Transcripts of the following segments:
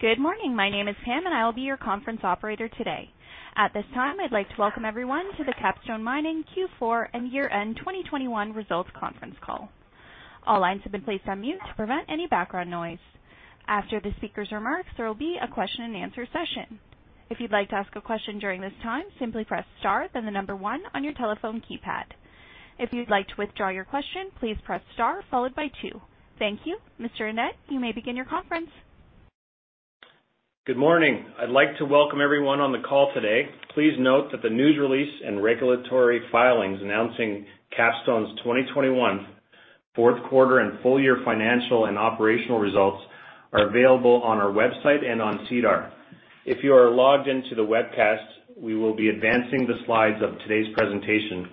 Good morning. My name is Pam and I will be your conference operator today. At this time, I'd like to welcome everyone to the Capstone Copper Q4 and year-end 2021 results conference call. All lines have been placed on mute to prevent any background noise. After the speaker's remarks, there will be a question and answer session. If you'd like to ask a question during this time, simply press star then the number one on your telephone keypad. If you'd like to withdraw your question please press star followed by two. Thank you Annett you may begin your conference. Good morning. I'd like to welcome everyone on the call today. Please note that the news release and regulatory filings announcing Capstone's 2021 fourth quarter and full-year financial and operational results are available on our website and on SEDAR. If you are logged into the webcast, we will be advancing the slides of today's presentation,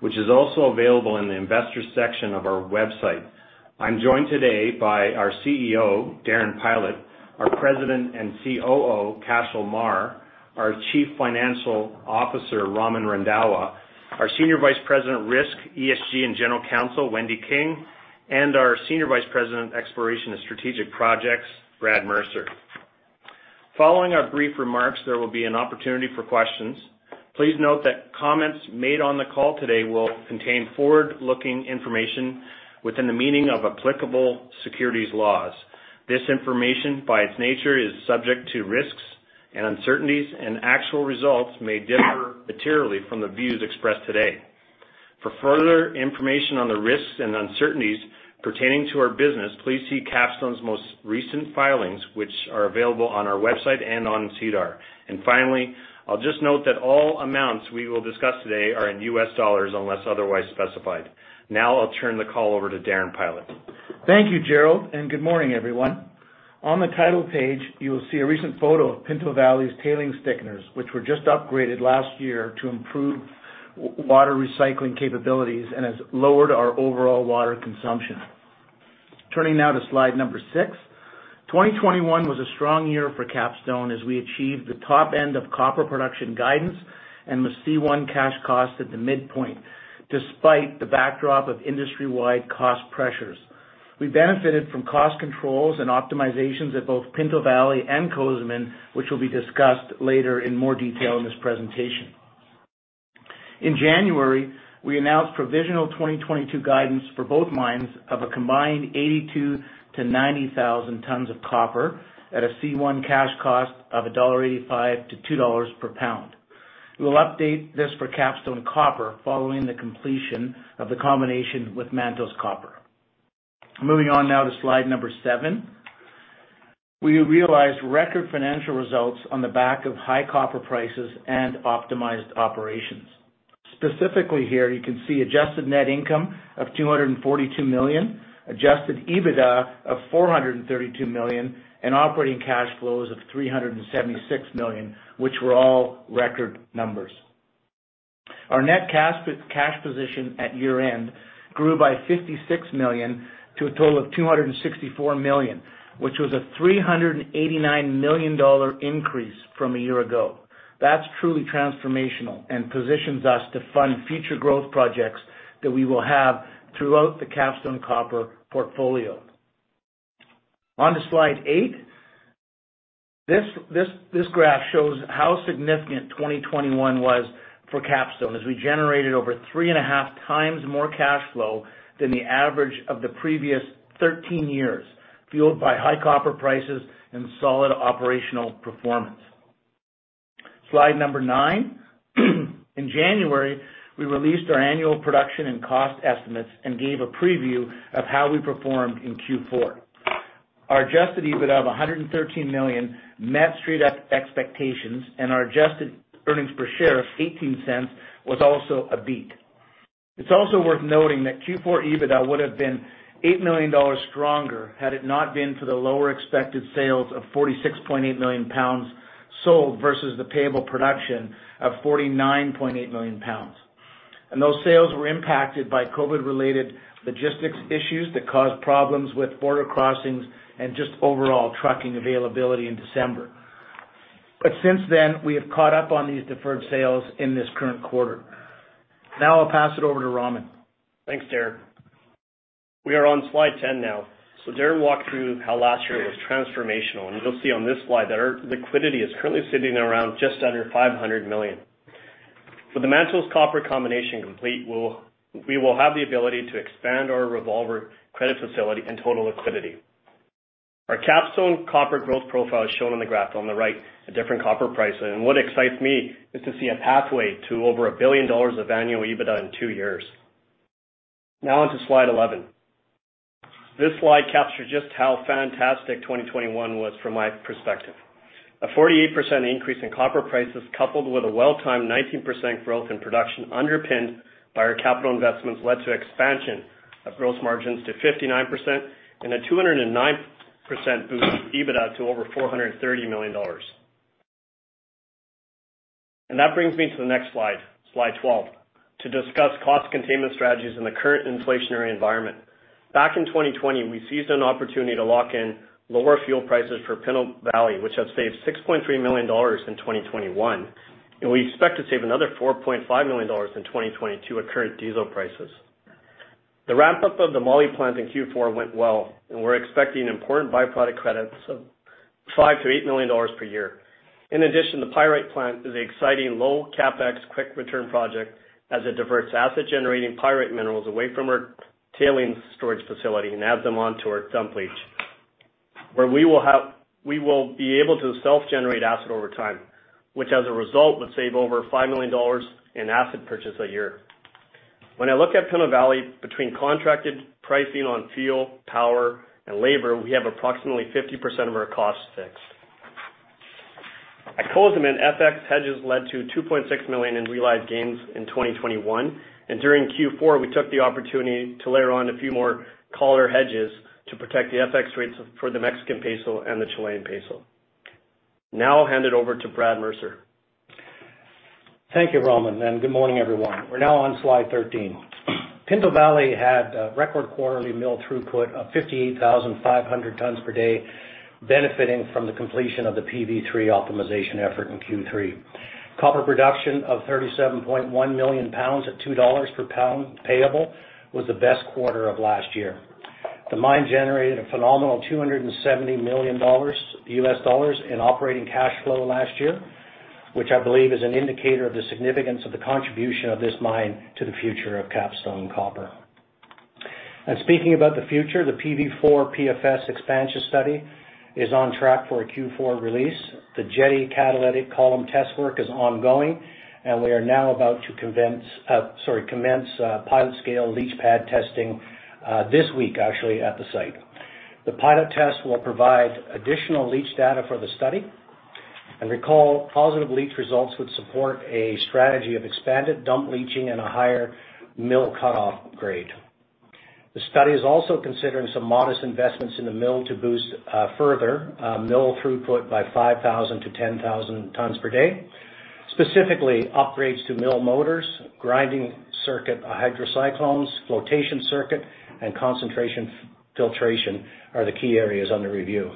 which is also available in the investors section of our website. I'm joined today by our CEO, Darren Pylot, our President and COO, Cashel Meagher, our Chief Financial Officer, Raman Randhawa, our Senior Vice President, Risk, ESG, and General Counsel, Wendy King, and our Senior Vice President, Exploration and Strategic Projects, Brad Mercer. Following our brief remarks, there will be an opportunity for questions. Please note that comments made on the call today will contain forward-looking information within the meaning of applicable securities laws. This information, by its nature, is subject to risks and uncertainties, and actual results may differ materially from the views expressed today. For further information on the risks and uncertainties pertaining to our business, please see Capstone's most recent filings, which are available on our website and on SEDAR. Finally, I'll just note that all amounts we will discuss today are in US dollars unless otherwise specified. Now I'll turn the call over to Darren Pylot. Thank you Gerald and good morning everyone. On the title page, you will see a recent photo of Pinto Valley's tailings thickeners, which were just upgraded last year to improve water recycling capabilities and has lowered our overall water consumption. Turning now to slide six. 2021 was a strong year for Capstone as we achieved the top end of copper production guidance and the C1 cash cost at the midpoint, despite the backdrop of industry-wide cost pressures. We benefited from cost controls and optimizations at both Pinto Valley and Cozamin, which will be discussed later in more detail in this presentation. In January, we announced provisional 2022 guidance for both mines of a combined 82,000 tons-90,000 tons of copper at a C1 cash cost of $1.85-$2 per pound. We'll update this for Capstone Copper following the completion of the combination with Mantos Copper. Moving on now to slide number seven. We realized record financial results on the back of high copper prices and optimized operations. Specifically here, you can see adjusted net income of $242 million, Adjusted EBITDA of $432 million, and operating cash flows of $376 million, which were all record numbers. Our net cash position at year-end grew by $56 million to a total of $264 million, which was a $389 million increase from a year ago. That's truly transformational and positions us to fund future growth projects that we will have throughout the Capstone Copper portfolio. On to slide eight. This graph shows how significant 2021 was for Capstone as we generated over 3.5x more cash flow than the average of the previous 13 years, fueled by high copper prices and solid operational performance. Slide nine. In January, we released our annual production and cost estimates and gave a preview of how we performed in Q4. Our Adjusted EBITDA of $113 million met street expectations, and our adjusted earnings per share of $0.18 was also a beat. It's also worth noting that Q4 EBITDA would have been $8 million stronger had it not been for the lower expected sales of 46.8 million pounds sold versus the payable production of 49.8 million pounds. Those sales were impacted by COVID-related logistics issues that caused problems with border crossings and just overall trucking availability in December. Since then, we have caught up on these deferred sales in this current quarter. Now I'll pass it over to Raman. Thanks, Darren. We are on slide 10 now. Darren walked through how last year was transformational, and you'll see on this slide that our liquidity is currently sitting around just under $500 million. For the Mantos Copper combination complete, we will have the ability to expand our revolver credit facility and total liquidity. Our Capstone Copper growth profile is shown on the graph on the right at different copper prices, and what excites me is to see a pathway to over $1 billion of annual EBITDA in two years. Now onto slide 11. This slide captures just how fantastic 2021 was from my perspective. A 48% increase in copper prices, coupled with a well-timed 19% growth in production underpinned by our capital investments, led to expansion of gross margins to 59% and a 209% boost in EBITDA to over $430 million. That brings me to the next slide 12, to discuss cost containment strategies in the current inflationary environment. Back in 2020, we seized an opportunity to lock in lower fuel prices for Pinto Valley, which has saved $6.3 million in 2021, and we expect to save another $4.5 million in 2022 at current diesel prices. The ramp up of the moly plant in Q4 went well, and we're expecting important byproduct credits of $5 million-$8 million per year. In addition, the pyrite plant is an exciting low CapEx quick return project as it diverts acid-generating pyrite minerals away from our tailings storage facility and adds them onto our dump leach, where we will be able to self-generate acid over time, which as a result, would save over $5 million in acid purchase a year. When I look at Pinto Valley, between contracted pricing on fuel, power, and labor, we have approximately 50% of our costs fixed. At Cozamin, FX hedges led to $2.6 million in realized gains in 2021, and during Q4, we took the opportunity to layer on a few more collar hedges to protect the FX rates for the Mexican peso and the Chilean peso. Now I'll hand it over to Brad Mercer. Thank you, Raman, and good morning, everyone. We're now on slide 13. Pinto Valley had record quarterly mill throughput of 58,500 tons per day, benefiting from the completion of the PV3 optimization effort in Q3. Copper production of 37.1 million pounds at $2 per pound payable was the best quarter of last year. The mine generated a phenomenal $270 million in operating cash flow last year, which I believe is an indicator of the significance of the contribution of this mine to the future of Capstone Copper. Speaking about the future, the PV4 PFS expansion study is on track for a Q4 release. The Jetti catalytic column test work is ongoing, and we are now about to commence pilot-scale leach pad testing this week, actually, at the site. The pilot test will provide additional leach data for the study. Recall, positive leach results would support a strategy of expanded dump leaching and a higher mill cut-off grade. The study is also considering some modest investments in the mill to boost further mill throughput by 5,000 tons-10,000 tons per day. Specifically, upgrades to mill motors, grinding circuit hydrocyclones, flotation circuit, and concentration filtration are the key areas under review.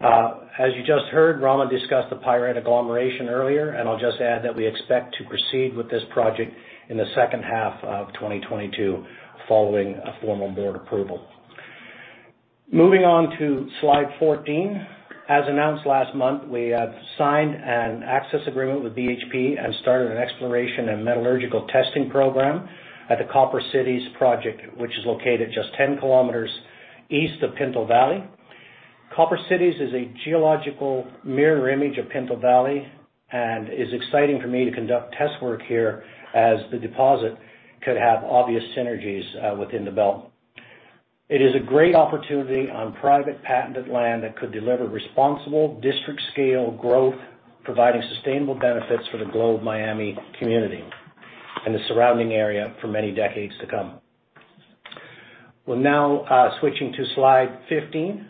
As you just heard, Raman discussed the pyrite agglomeration earlier, and I'll just add that we expect to proceed with this project in the second half of 2022 following a formal board approval. Moving on to slide 14. As announced last month, we have signed an access agreement with BHP and started an exploration and metallurgical testing program at the Copper Cities project, which is located just 10 km east of Pinto Valley. Copper Cities is a geological mirror image of Pinto Valley and is exciting for me to conduct test work here as the deposit could have obvious synergies within the belt. It is a great opportunity on private patented land that could deliver responsible district-scale growth, providing sustainable benefits for the Globe Miami community and the surrounding area for many decades to come. We're now switching to slide 15.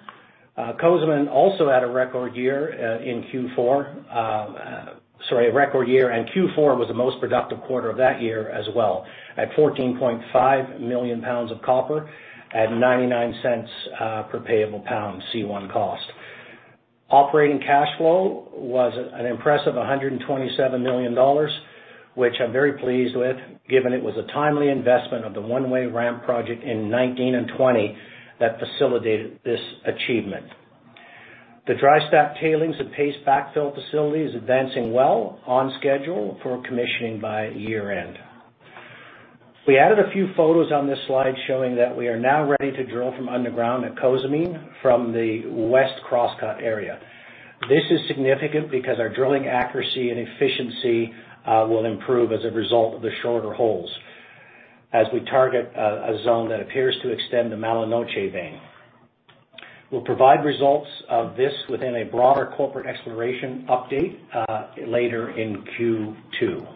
Cozamin also had a record year, and Q4 was the most productive quarter of that year as well, at 14.5 million pounds of copper at $0.99 per payable pound C1 cost. Operating cash flow was an impressive $127 million, which I'm very pleased with, given it was a timely investment of the One-Way Ramp project in 2019 and 2020 that facilitated this achievement. The dry stack tailings at Paste Backfill facility is advancing well on schedule for commissioning by year-end. We added a few photos on this slide showing that we are now ready to drill from underground at Cozamin from the west crosscut area. This is significant because our drilling accuracy and efficiency will improve as a result of the shorter holes as we target a zone that appears to extend the Mala Noche vein. We'll provide results of this within a broader corporate exploration update later in Q2.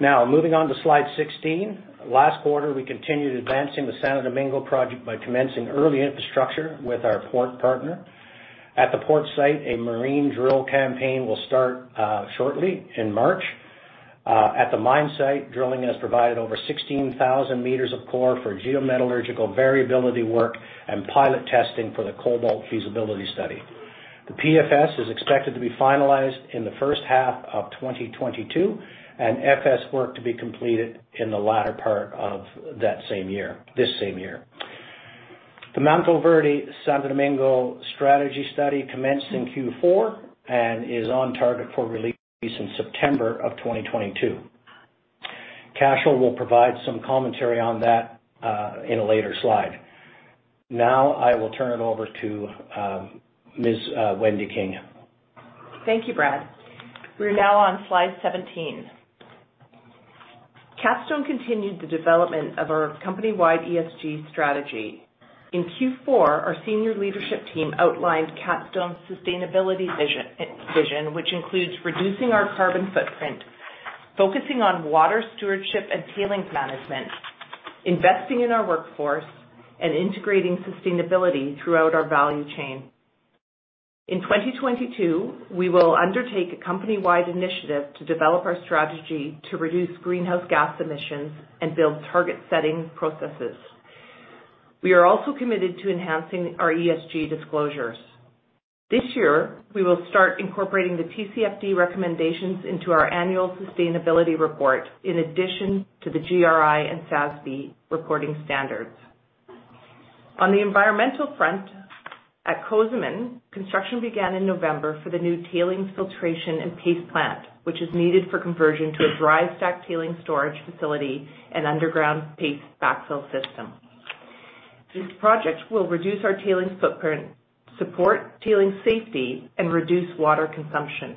Now, moving on to slide 16. Last quarter, we continued advancing the Santo Domingo project by commencing early infrastructure with our port partner. At the port site, a marine drill campaign will start shortly in March. At the mine site, drilling has provided over 16,000 meters of core for geometallurgical variability work and pilot testing for the cobalt feasibility study. The PFS is expected to be finalized in the first half of 2022, and FS work to be completed in the latter part of that same year, this same year. The Mantoverde Santo Domingo strategy study commenced in Q4 and is on target for release in September of 2022. Cashel will provide some commentary on that in a later slide. Now I will turn it over to Ms. Wendy King. Thank you, Brad. We're now on slide 17. Capstone continued the development of our company-wide ESG strategy. In Q4, our senior leadership team outlined Capstone's sustainability vision, which includes reducing our carbon footprint, focusing on water stewardship and tailings management, investing in our workforce, and integrating sustainability throughout our value chain. In 2022, we will undertake a company-wide initiative to develop our strategy to reduce greenhouse gas emissions and build target-setting processes. We are also committed to enhancing our ESG disclosures. This year, we will start incorporating the TCFD recommendations into our annual sustainability report, in addition to the GRI and SASB reporting standards. On the environmental front, at Cozamin, construction began in November for the new tailings filtration and paste plant, which is needed for conversion to a dry stack tailings storage facility and underground paste backfill system. These projects will reduce our tailings footprint, support tailings safety, and reduce water consumption.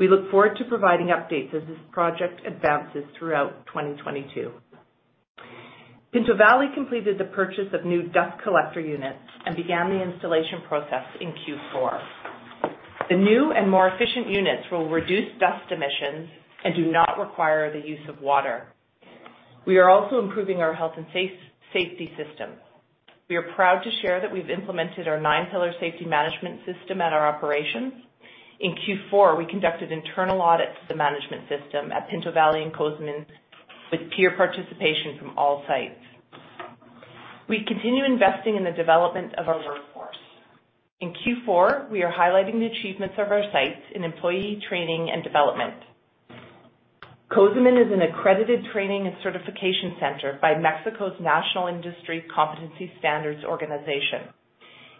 We look forward to providing updates as this project advances throughout 2022. Pinto Valley completed the purchase of new dust collector units and began the installation process in Q4. The new and more efficient units will reduce dust emissions and do not require the use of water. We are also improving our health and safety system. We are proud to share that we've implemented our 9-pillar safety management system at our operations. In Q4, we conducted internal audits of the management system at Pinto Valley and Cozamin with peer participation from all sites. We continue investing in the development of our workforce. In Q4, we are highlighting the achievements of our sites in employee training and development. Cozamin is an accredited training and certification center by CONOCER.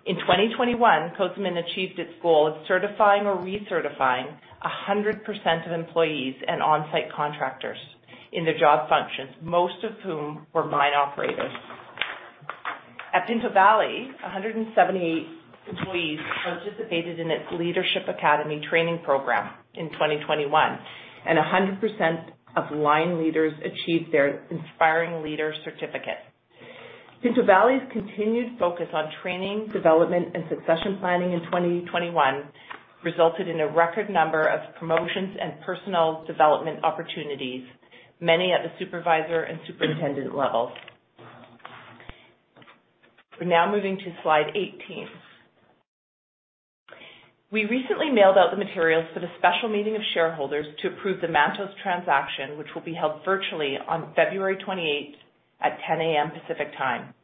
In 2021, Cozamin achieved its goal of certifying or recertifying 100% of employees and on-site contractors in their job functions, most of whom were mine operators. At Pinto Valley, 178 employees participated in its Leadership Academy training program in 2021, and 100% of line leaders achieved their Inspiring Leader certificate. Pinto Valley's continued focus on training, development, and succession planning in 2021 resulted in a record number of promotions and personal development opportunities, many at the supervisor and superintendent levels. We're now moving to slide 18. We recently mailed out the materials for the special meeting of shareholders to approve the Mantos transaction, which will be held virtually on February 28 at 10:00 A.M. Pacific Time.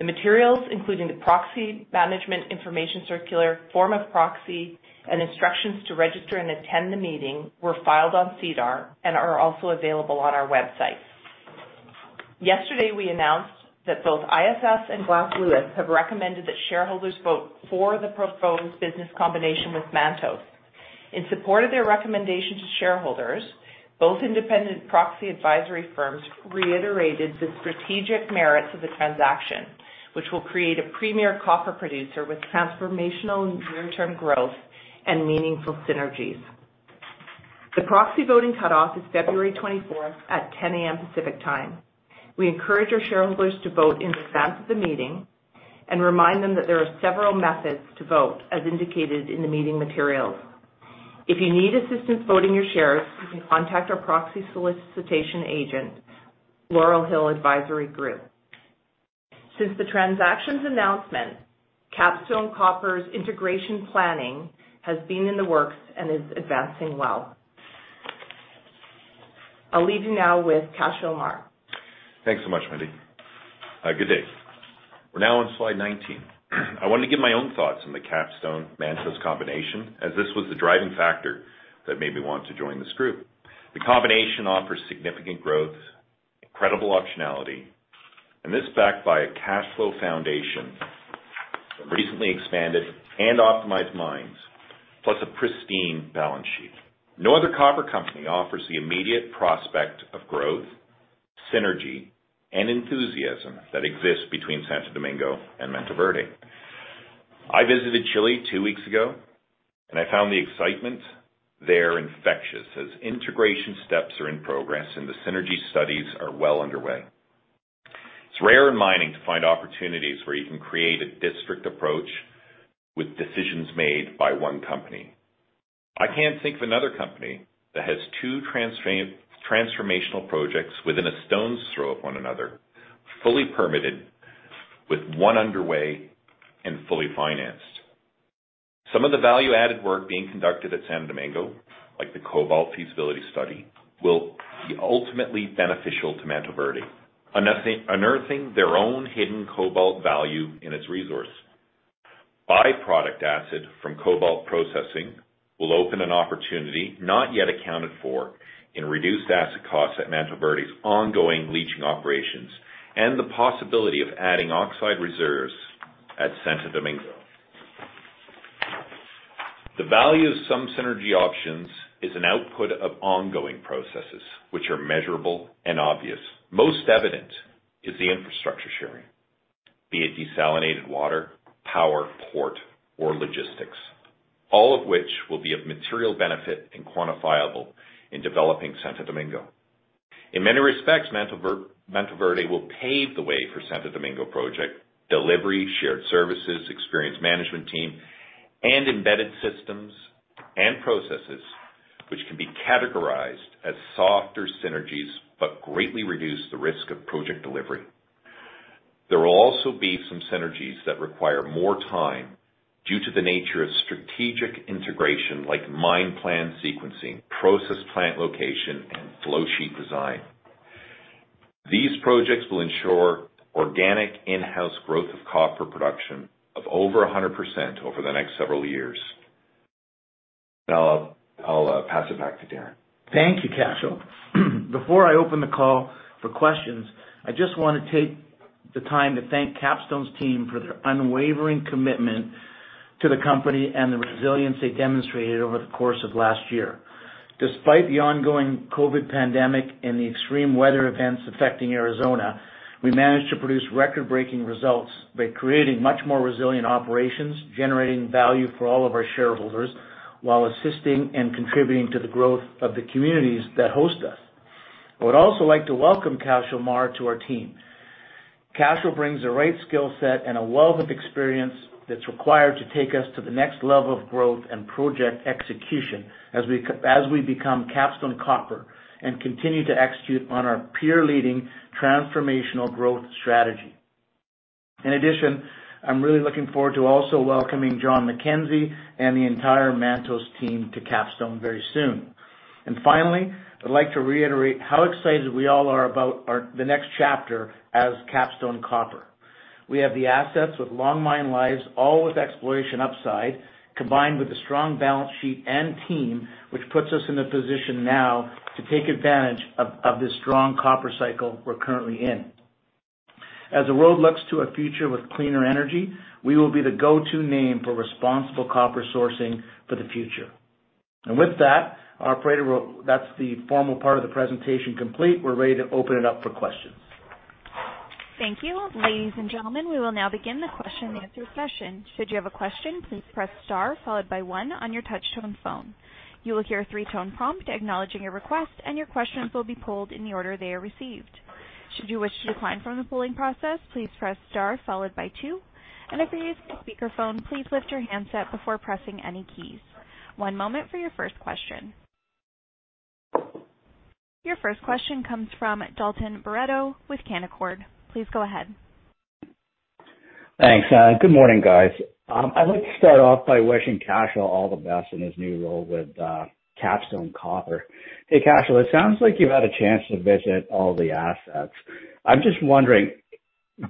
The materials, including the proxy management information circular, form of proxy, and instructions to register and attend the meeting, were filed on SEDAR and are also available on our website. Yesterday, we announced that both ISS and Glass Lewis have recommended that shareholders vote for the proposed business combination with Mantos. In support of their recommendation to shareholders, both independent proxy advisory firms reiterated the strategic merits of the transaction, which will create a premier copper producer with transformational near-term growth and meaningful synergies. The proxy voting cutoff is February 24th at 10:00 A.M. Pacific Time. We encourage our shareholders to vote in advance of the meeting and remind them that there are several methods to vote as indicated in the meeting materials. If you need assistance voting your shares, you can contact our proxy solicitation agent, Laurel Hill Advisory Group. Since the transactions announcement, Capstone Copper's integration planning has been in the works and is advancing well. I'll leave you now with Cashel Meagher. Thanks so much, Wendy. Good day. We're now on slide 19. I want to give my own thoughts on the Capstone-Mantos combination, as this was the driving factor that made me want to join this group. The combination offers significant growth, incredible optionality, and this backed by a cash flow foundation, recently expanded and optimized mines, plus a pristine balance sheet. No other copper company offers the immediate prospect of growth, synergy, and enthusiasm that exists between Santo Domingo and Mantoverde. I visited Chile two weeks ago, and I found the excitement there infectious as integration steps are in progress and the synergy studies are well underway. It's rare in mining to find opportunities where you can create a district approach with decisions made by one company. I can't think of another company that has two transformational projects within a stone's throw of one another, fully permitted, with one underway and fully financed. Some of the value-added work being conducted at Santo Domingo, like the cobalt feasibility study, will be ultimately beneficial to Mantoverde, unearthing their own hidden cobalt value in its resource. Byproduct acid from cobalt processing will open an opportunity not yet accounted for in reduced acid costs at Mantoverde's ongoing leaching operations and the possibility of adding oxide reserves at Santo Domingo. The value of some synergy options is an output of ongoing processes which are measurable and obvious. Most evident is the infrastructure sharing, be it desalinated water, power, port, or logistics, all of which will be of material benefit and quantifiable in developing Santo Domingo. In many respects, Mantoverde will pave the way for Santo Domingo project delivery, shared services, experienced management team, and embedded systems and processes which can be categorized as softer synergies but greatly reduce the risk of project delivery. There will also be some synergies that require more time due to the nature of strategic integration like mine plan sequencing, process plant location, and flow sheet design. These projects will ensure organic in-house growth of copper production of over 100% over the next several years. Now, I'll pass it back to Darren. Thank you, Cashel. Before I open the call for questions, I just wanna take the time to thank Capstone's team for their unwavering commitment to the company and the resilience they demonstrated over the course of last year. Despite the ongoing COVID pandemic and the extreme weather events affecting Arizona, we managed to produce record-breaking results by creating much more resilient operations, generating value for all of our shareholders while assisting and contributing to the growth of the communities that host us. I would also like to welcome Cashel Meagher to our team. Cashel brings the right skill set and a wealth of experience that's required to take us to the next level of growth and project execution as we become Capstone Copper and continue to execute on our peer-leading transformational growth strategy. In addition, I'm really looking forward to also welcoming John MacKenzie and the entire Mantos team to Capstone very soon. Finally, I'd like to reiterate how excited we all are about the next chapter as Capstone Copper. We have the assets with long mine lives, all with exploration upside, combined with a strong balance sheet and team, which puts us in a position now to take advantage of this strong copper cycle we're currently in. As the world looks to a future with cleaner energy, we will be the go-to name for responsible copper sourcing for the future. With that, That's the formal part of the presentation complete. We're ready to open it up for questions. Thank you. Ladies and gentlemen, we will now begin the question and answer session. Should you have a question, please press star followed by one on your touchtone phone. You will hear a three-tone prompt acknowledging your request, and your questions will be pooled in the order they are received. Should you wish to decline from the pooling process, please press star followed by two. If you're using a speakerphone, please lift your handset before pressing any keys. One moment for your first question. Your first question comes from Dalton Baretto with Canaccord. Please go ahead. Thanks good morning guys. I'd like to start off by wishing Cashel all the best in his new role with Capstone Copper. Hey Cashel it sounds like you've had a chance to visit all the assets. I'm just wondering,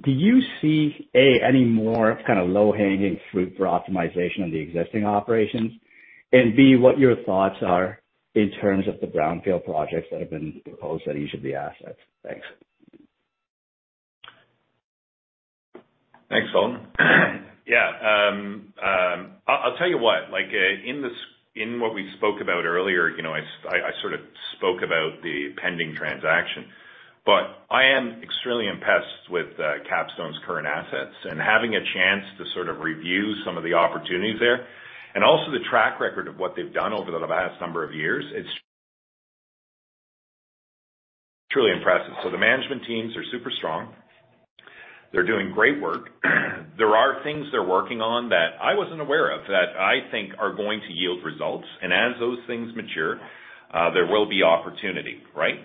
do you see, A, any more kind of low-hanging fruit for optimization on the existing operations? And B, what your thoughts are in terms of the brownfield projects that have been proposed at each of the assets? Thanks. Thanks Dalton yeah I'll tell you what, like, in this, in what we spoke about earlier, you know, I sort of spoke about the pending transaction, but I am extremely impressed with Capstone's current assets and having a chance to sort of review some of the opportunities there, and also the track record of what they've done over the past number of years, it's truly impressive. The management teams are super strong. They're doing great work. There are things they're working on that I wasn't aware of, that I think are going to yield results. As those things mature, there will be opportunity, right?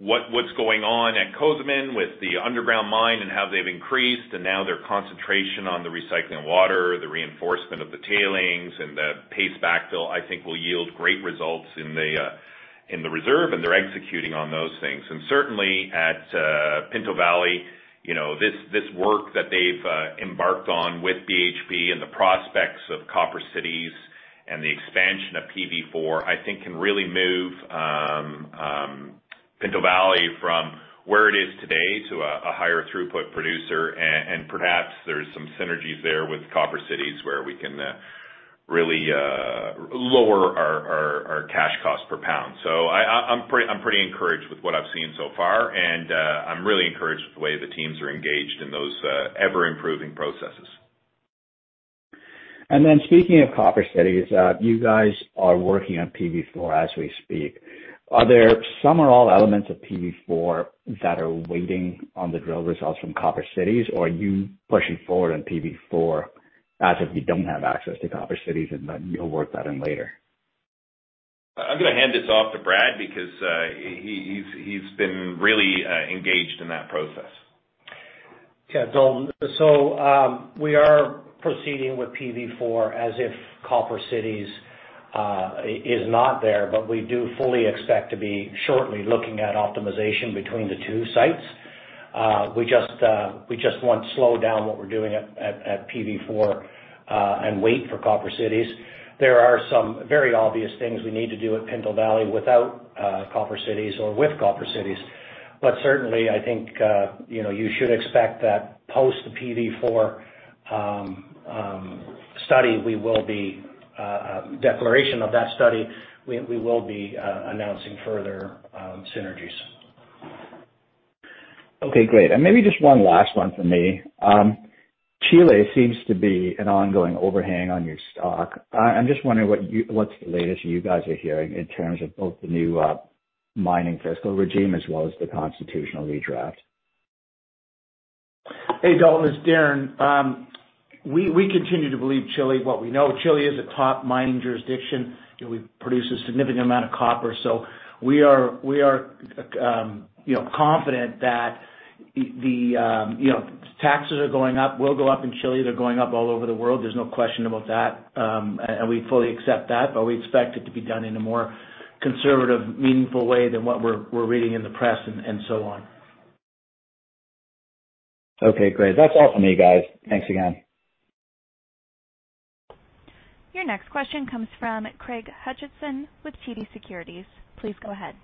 What's going on at Cozamin with the underground mine and how they've increased, and now their concentration on the recycling water, the reinforcement of the tailings and the paste backfill, I think will yield great results in the reserve, and they're executing on those things. Certainly at Pinto Valley, you know, this work that they've embarked on with BHP and the prospects of Copper Cities and the expansion of PV4, I think can really move Pinto Valley from where it is today to a higher throughput producer. Perhaps there's some synergies there with Copper Cities where we can really lower our cash costs per pound. I'm pretty encouraged with what I've seen so far, and I'm really encouraged with the way the teams are engaged in those ever-improving processes. Speaking of Copper Cities, you guys are working on PV4 as we speak. Are there some or all elements of PV4 that are waiting on the drill results from Copper Cities, or are you pushing forward on PV4 as if you don't have access to Copper Cities, and then you'll work that in later? I'm gonna hand this off to Brad because he's been really engaged in that process. Dalton we are proceeding with PV4 as if Copper Cities is not there, but we do fully expect to be shortly looking at optimization between the two sites. We just won't slow down what we're doing at PV4 and wait for Copper Cities. There are some very obvious things we need to do at Pinto Valley without Copper Cities or with Copper Cities. Certainly, I think, you know, you should expect that post the PV4 study declaration of that study, we will be announcing further synergies. Okay great maybe just one last one from me. Chile seems to be an ongoing overhang on your stock. I'm just wondering what's the latest you guys are hearing in terms of both the new mining fiscal regime as well as the constitutional redraft? Hey Dalton it's Darren. We continue to believe Chile. What we know, Chile is a top mining jurisdiction. You know, we produce a significant amount of copper. We are, you know, confident that taxes are going up, will go up in Chile, they're going up all over the world, there's no question about that. And we fully accept that, but we expect it to be done in a more conservative, meaningful way than what we're reading in the press and so on. Okay great that's all from me guys. Thanks again. Your next question comes from Craig Hutchison with TD Securities. Please go ahead.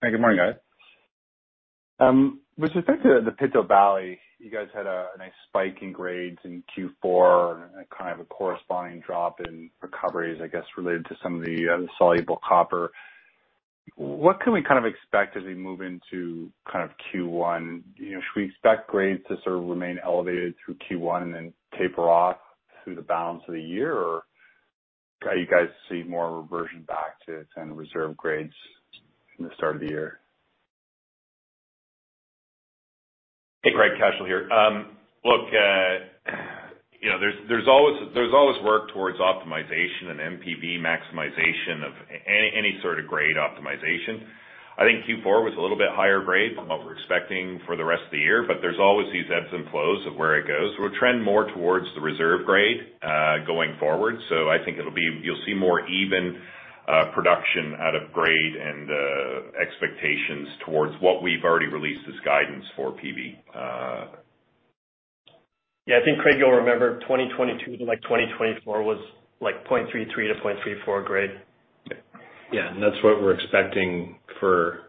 Hi good morning guys with respect to the Pinto Valley, you guys had a nice spike in grades in Q4 and kind of a corresponding drop in recoveries, I guess, related to some of the soluble copper. What can we kind of expect as we move into kind of Q1? You know, should we expect grades to sort of remain elevated through Q1 and then taper off through the balance of the year? Or are you guys seeing more of a reversion back to kind of reserve grades from the start of the year? Hey Craig, Cashel here. You know, there's always work towards optimization and NPV maximization of any sort of grade optimization. I think Q4 was a little bit higher grade than what we're expecting for the rest of the year, but there's always these ebbs and flows of where it goes. We'll trend more towards the reserve grade going forward. I think you'll see more even production out of grade and expectations towards what we've already released as guidance for PV. Yeah I think Craig you'll remember 2022 to like 2024 was like 0.33-0.34 grade. Yeah. That's what we're expecting for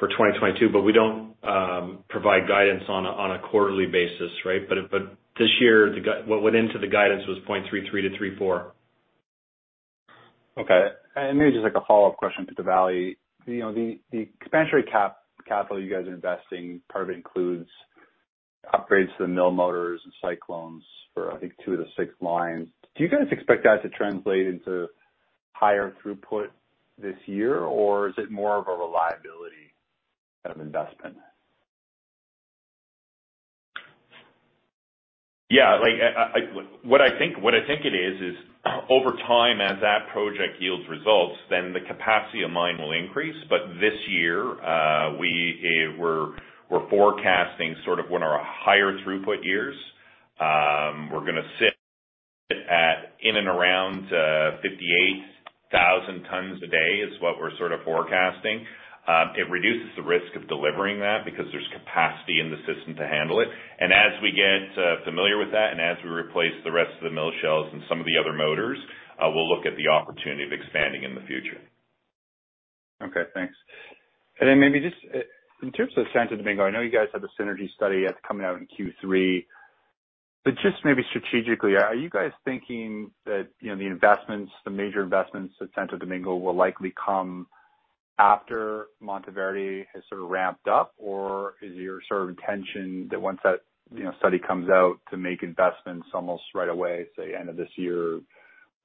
2022, but we don't provide guidance on a quarterly basis, right? This year, what went into the guidance was 0.33-0.34. Okay. Maybe just like a follow-up question, Pinto Valley. You know, the expansionary capital you guys are investing part of it includes upgrades to the mill motors and cyclones for, I think, two of the six lines. Do you guys expect that to translate into higher throughput this year, or is it more of a reliability kind of investment? What I think it is over time, as that project yields results, then the capacity of mine will increase. But this year, we're forecasting sort of one of our higher throughput years. We're gonna sit at in and around 58,000 tons a day, is what we're sort of forecasting. It reduces the risk of delivering that because there's capacity in the system to handle it. As we get familiar with that, and as we replace the rest of the mill shells and some of the other motors, we'll look at the opportunity of expanding in the future. Okay, thanks. Then maybe just in terms of Santo Domingo, I know you guys have a synergy study that's coming out in Q3, but just maybe strategically, are you guys thinking that, you know, the investments, the major investments at Santo Domingo will likely come after Mantoverde has sort of ramped up? Or is your sort of intention that once that, you know, study comes out to make investments almost right away, say end of this year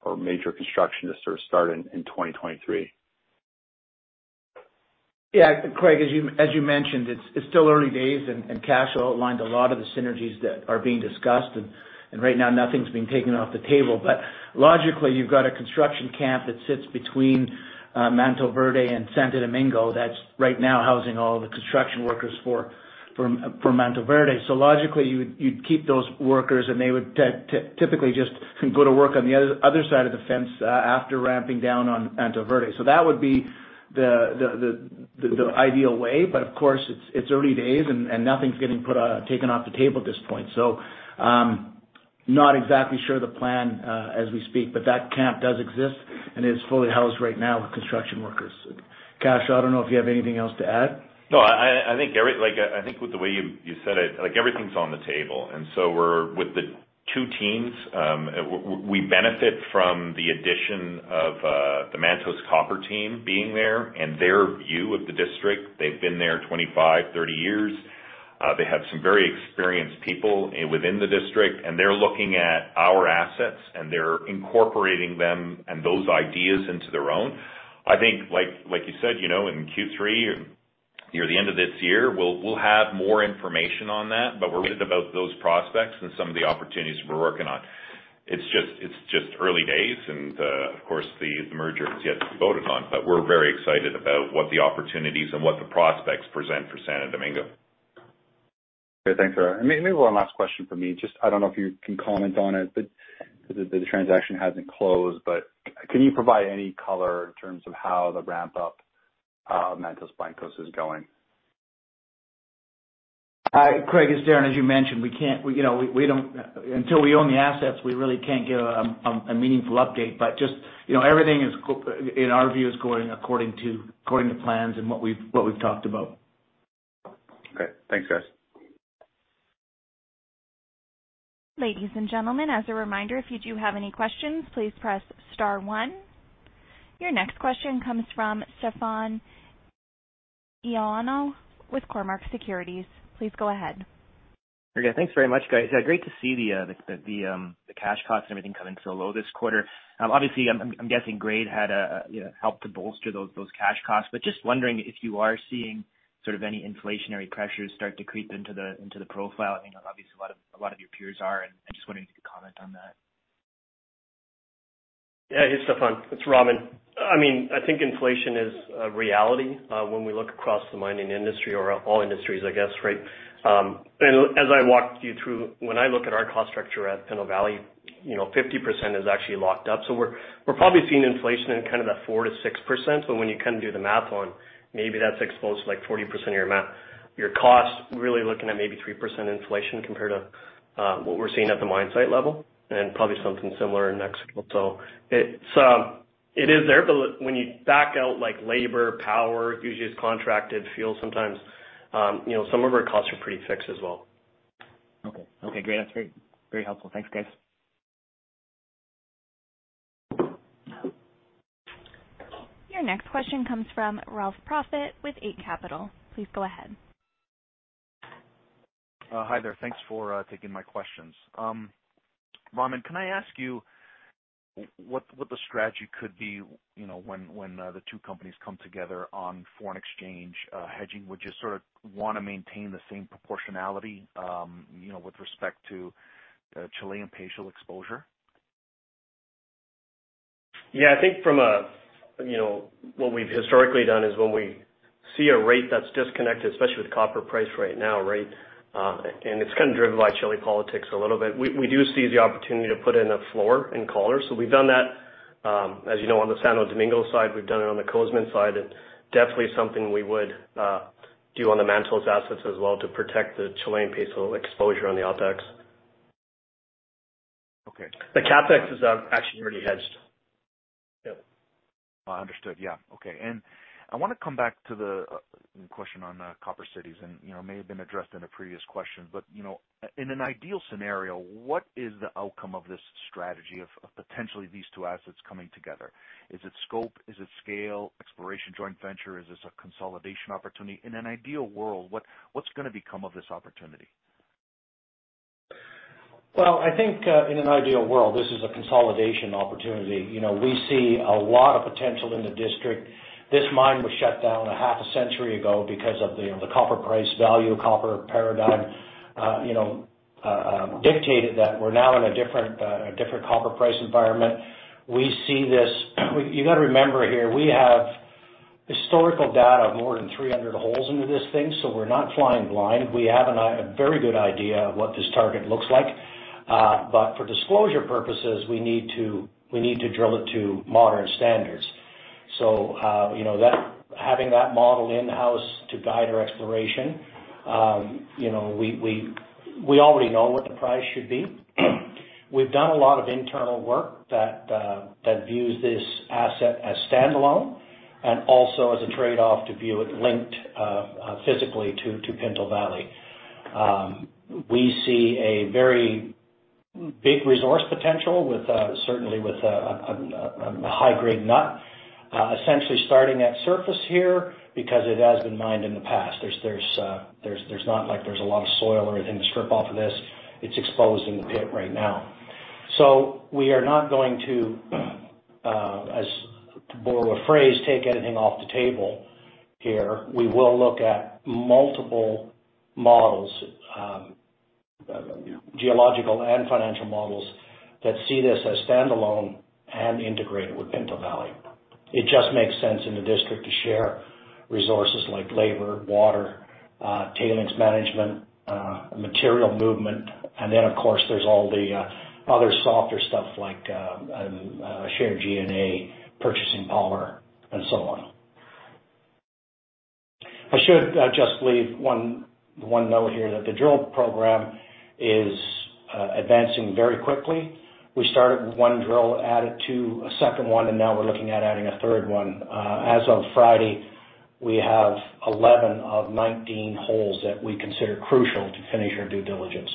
or major construction to sort of start in 2023? Yeah. Craig as you mentioned, it's still early days and Cashel outlined a lot of the synergies that are being discussed. Right now nothing's being taken off the table. Logically, you've got a construction camp that sits between Mantoverde and Santo Domingo that's right now housing all the construction workers for Mantoverde. Logically, you would keep those workers, and they would typically just go to work on the other side of the fence after ramping down on Mantoverde. That would be the ideal way. Of course, it's early days and nothing's being taken off the table at this point. Not exactly sure the plan as we speak, but that camp does exist and is fully housed right now with construction workers. Cashel I don't know if you have anything else to add. No, I think with the way you said it, like everything's on the table. We're with the two teams. We benefit from the addition of the Mantos Copper team being there and their view of the district. They've been there 25, 30 years. They have some very experienced people within the district, and they're looking at our assets and they're incorporating them and those ideas into their own. I think like you said, you know, in Q3 or near the end of this year, we'll have more information on that, but we're about those prospects and some of the opportunities we're working on. It's just early days and, of course, the merger has yet to be voted on, but we're very excited about what the opportunities and what the prospects present for Santo Domingo. Okay, thanks for that. Maybe one last question from me. Just, I don't know if you can comment on it, but the transaction hasn't closed, but can you provide any color in terms of how the ramp up of Mantos Blancos is going? Craig, as Darren, as you mentioned, you know, we really can't give a meaningful update until we own the assets. Just, you know, everything is, in our view, going according to plans and what we've talked about. Okay. Thanks guys. Ladies and gentlemen, as a reminder, if you do have any questions, please press star one. Your next question comes from Stefan Ioannou with Cormark Securities. Please go ahead. Okay, thanks very much, guys. Great to see the cash costs and everything come in so low this quarter. Obviously I'm guessing grade had helped to bolster those cash costs. Just wondering if you are seeing sort of any inflationary pressures start to creep into the profile. I mean, obviously a lot of your peers are, and I'm just wondering if you could comment on that. Yeah hey Stefan it's Raman I mean, I think inflation is a reality, when we look across the mining industry or all industries, I guess, right? As I walked you through, when I look at our cost structure at Pinto Valley, you know, 50% is actually locked up. We're probably seeing inflation in kind of that 4%-6%, but when you kind of do the math on maybe that's exposed to, like, 40% of your cost, really looking at maybe 3% inflation compared to what we're seeing at the mine site level and probably something similar in Mexico. It's there, but when you back out, like, labor, power usually it's contracted fuel sometimes, you know, some of our costs are pretty fixed as well. Okay. Okay, great. That's very, very helpful. Thanks, guys. Your next question comes from Ralph Profiti with Eight Capital. Please go ahead. Hi there. Thanks for taking my questions. Raman, can I ask you what the strategy could be, you know, when the two companies come together on foreign exchange hedging? Would you sort of wanna maintain the same proportionality, you know, with respect to the Chilean peso exposure? Yeah, I think from a, you know, what we've historically done is when we see a rate that's disconnected, especially with copper price right now, right? And it's kind of driven by Chile politics a little bit. We do see the opportunity to put in a floor and collar. We've done that, as you know, on the Santo Domingo side. We've done it on the Cozamin side. It's definitely something we would do on the Mantos assets as well to protect the Chilean peso exposure on the OpEx. Okay. The CapEx is actually already hedged. Yeah. Understood. Yeah okay. I wanna come back to the question on Copper Cities, and you know, it may have been addressed in a previous question, but you know, in an ideal scenario, what is the outcome of this strategy of potentially these two assets coming together? Is it scope? Is it scale, exploration, joint venture? Is this a consolidation opportunity? In an ideal world, what's gonna become of this opportunity? Well, I think, in an ideal world, this is a consolidation opportunity. You know, we see a lot of potential in the district. This mine was shut down half a century ago because of the copper price value, copper paradigm, dictated that we're now in a different copper price environment. You gotta remember here, we have historical data of more than 300 holes into this thing, so we're not flying blind. We have a very good idea of what this target looks like. But for disclosure purposes, we need to drill it to modern standards. Having that model in-house to guide our exploration, we already know what the price should be. We've done a lot of internal work that views this asset as standalone and also as a trade-off to view it linked physically to Pinto Valley. We see a very big resource potential with certainly with a high grade nut essentially starting at surface here because it has been mined in the past. There's not like a lot of soil or anything to strip off of this. It's exposed in the pit right now. We are not going to, as to borrow a phrase, take anything off the table here. We will look at multiple models, you know, geological and financial models that see this as standalone and integrated with Pinto Valley. It just makes sense in the district to share resources like labor, water, tailings management, material movement, and then, of course, there's all the other softer stuff like shared G&A, purchasing power, and so on. I should just leave one note here that the drill program is advancing very quickly. We started with one drill, added two, a second one, and now we're looking at adding a third one. As of Friday, we have 11 of 19 holes that we consider crucial to finish our due diligence.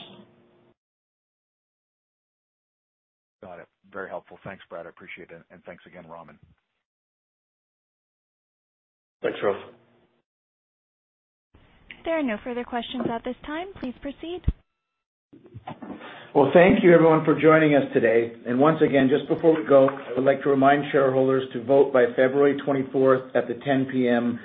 Got it very helpful. Thanks Brad. I appreciate it. Thanks again Raman. Thanks Ralph. There are no further questions at this time. Please proceed. Well, thank you everyone for joining us today. Once again, just before we go, I would like to remind shareholders to vote by February 24th at the 10:00 P.M.,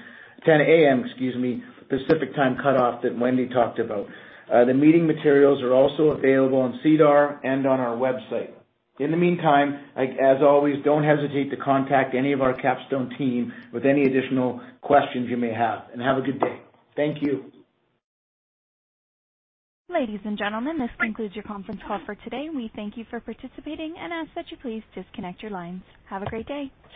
10:00 A.M., excuse me, Pacific time cutoff that Wendy talked about. The meeting materials are also available on SEDAR and on our website. In the meantime like as always don't hesitate to contact any of our Capstone team with any additional questions you may have. Have a good day. Thank you. Ladies and gentlemen this concludes your conference call for today. We thank you for participating and ask that you please disconnect your lines. Have a great day.